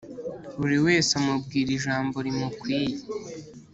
buri wese amubwira ijambo rimukwiye.